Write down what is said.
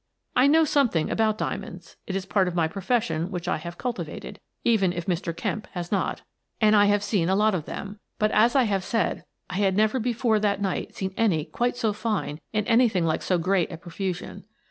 I know something about diamonds, — it is part of my profession which I have cultivated, even if Mr. Kemp has not, — and I have seen a lot of Exit the Jewels 31 them; but, as I have said, I had never before that night seen any quite so fine in anything like so great a profusion.